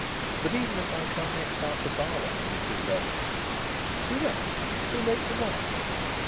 But even if I come next after Barlow it'll be too late." "Too late? Too late for what?"